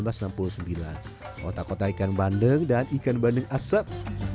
kota kota ikan bandeng dan ikan bandeng asap